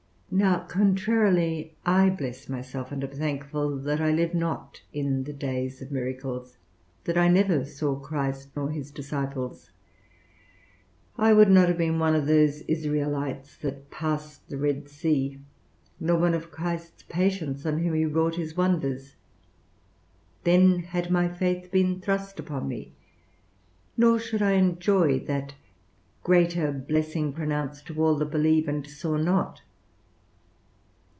Now contrarily, I bless myself and am thankful that I live not in the days of miracles, that I never saw Christ nor his disciples; I would not have been one of those Israelites that passed the Red Sea, nor one of Christ's patients on whom he wrought his wonders: then had my faith been thrust upon me; nor should I enjoy that greater blessing pronounced to all that believe and saw not.